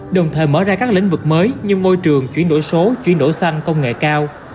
đồng thời mở ra các lĩnh vực mới như môi trường chuyển đổi số chuyển đổi xanh công nghệ cao